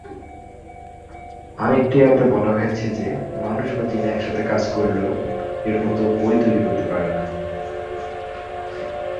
আরেকটি আয়াতে বলা হয়েছে যে, মানুষ বা জিন একসাথে কাজ করলেও এর মতো বই তৈরি করতে পারে না।